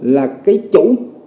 là cái chủ